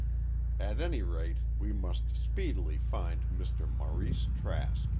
At any rate, we must speedily find Mr. Maurice Trask."